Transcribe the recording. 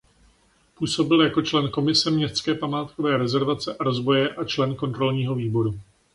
Působil jako člen Komise městské památkové rezervace a rozvoje a člen Kontrolního výboru.